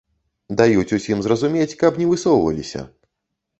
Даюць усім зразумець, каб не высоўваліся.